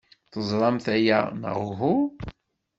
Teẓramt aya, neɣ uhu?